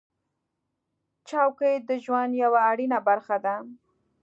چوکۍ د ژوند یوه اړینه برخه ده.